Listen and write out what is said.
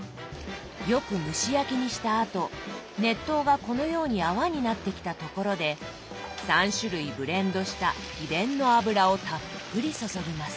よく蒸し焼きにしたあと熱湯がこのように泡になってきたところで３種類ブレンドした秘伝の油をたっぷり注ぎます。